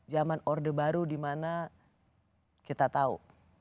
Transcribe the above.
zaman orde baru dimana kita tahu